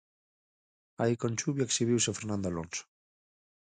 Aí con chuvia exhibiuse Fernando Alonso.